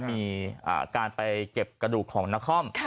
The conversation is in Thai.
มีการไปเก็บกระดูกของนคร